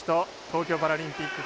東京パラリンピック